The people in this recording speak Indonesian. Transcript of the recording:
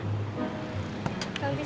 bang mau ngajak